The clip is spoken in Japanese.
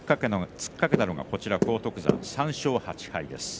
突っかけたのが荒篤山３勝８敗です。